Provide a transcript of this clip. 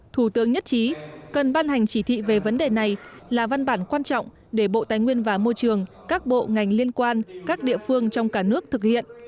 thủ tướng nhất trí cần ban hành chỉ thị về vấn đề này là văn bản quan trọng để bộ tài nguyên và môi trường các bộ ngành liên quan các địa phương trong cả nước thực hiện